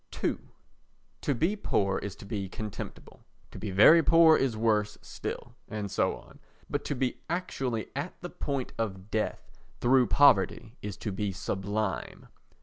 ii To be poor is to be contemptible, to be very poor is worse still, and so on; but to be actually at the point of death through poverty is to be sublime.